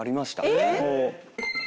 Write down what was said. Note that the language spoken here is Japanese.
えっ！？